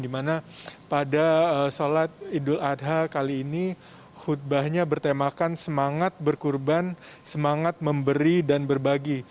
dimana pada sholat idul adha kali ini khutbahnya bertemakan semangat berkurban semangat memberi dan berbagi